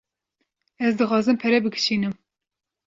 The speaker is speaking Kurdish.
Ez dixwazim pere bikişînim.